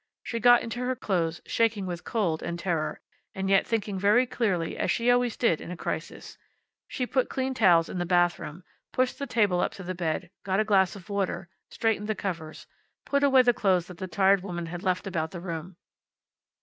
She got into her clothes, shaking with cold and terror, and yet thinking very clearly, as she always did in a crisis. She put clean towels in the bathroom, pushed the table up to the bed, got a glass of water, straightened the covers, put away the clothes that the tired woman had left about the room.